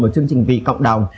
một chương trình vì cộng đồng